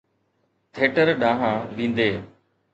Theatre ڏانهن ويندي.